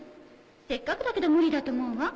せっかくだけど無理だと思うわ。